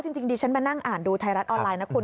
จริงดิฉันมานั่งอ่านดูไทยรัฐออนไลน์นะคุณ